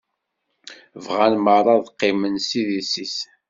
Bɣan merra ad qqimen s idis-is.